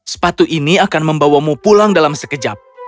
sepatu ini akan membawamu pulang dalam sekejap